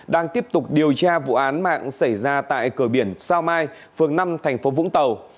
đang tiếp tục điều tra vụ án mạng xảy ra tại cửa biển sao mai phường năm thành phố vũng tàu